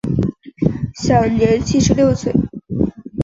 享年七十六岁。